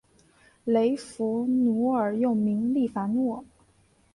雷佛奴尔又名利凡诺。